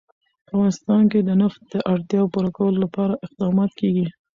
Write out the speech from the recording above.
په افغانستان کې د نفت د اړتیاوو پوره کولو لپاره اقدامات کېږي.